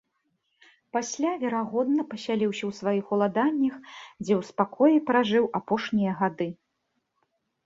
Пасля, верагодна, пасяліўся ў сваіх уладаннях, дзе ў спакоі пражыў апошнія гады.